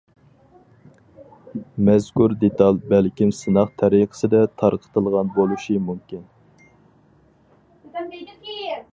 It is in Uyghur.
مەزكۇر دېتال بەلكىم سىناق تەرىقىسىدە تارقىتىلغان بولۇشى مۇمكىن.